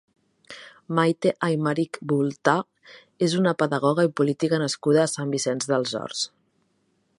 Maite Aymerich Boltà és una pedagoga i política nascuda a Sant Vicenç dels Horts.